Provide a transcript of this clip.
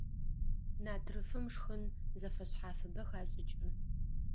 Натрыфым шхын зэфэшъхьафыбэ хашӀыкӀы.